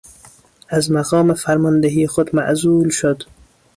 از مقام فرماندهی خود معزول شد.